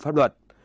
chiếm đoạn tài sản